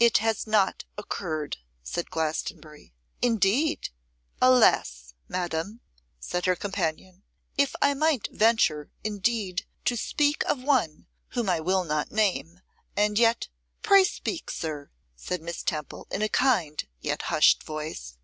'It has not occurred,' said Glastonbury. 'Indeed!' 'Alas! madam,' said her companion, 'if I might venture indeed to speak of one whom I will not name, and yet ' 'Pray speak, sir,' said Miss Temple, in a kind, yet hushed voice.